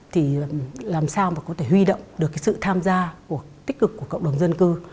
thì làm sao mà có thể huy động được cái sự tham gia tích cực của cộng đồng dân cư